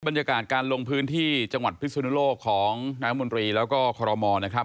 บรรยากาศการลงพื้นที่จังหวัดพิศนุโลกของนายมนตรีแล้วก็คอรมอลนะครับ